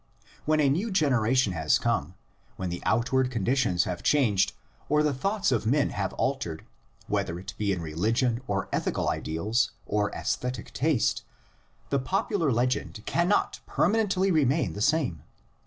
When a new generation has come, when the outward condi tions have changed or the thoughts of men have altered, whether it be in religion or ethical ideals or aesthetic taste, the popular legend cannot per THE LEGENDS IN ORAL TRADITION. 99 manently remain the same.